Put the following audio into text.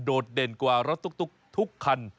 ดเด่นกว่ารถตุ๊กทุกคัน